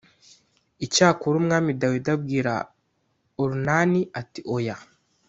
icyakora umwami dawidi abwira orunani ati oya